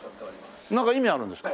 なんか意味あるんですか？